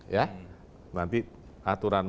ya nanti aturan